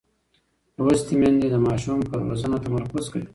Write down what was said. لوستې میندې د ماشوم پر روزنه تمرکز کوي.